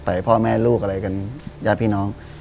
พ่อแม่ลูกอะไรกันญาติพี่น้อง